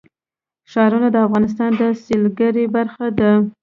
ښارونه د افغانستان د سیلګرۍ برخه ده.